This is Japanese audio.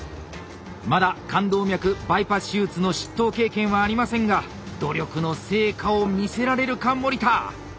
まだ冠動脈バイパス手術の執刀経験はありませんが努力の成果を見せられるか森田！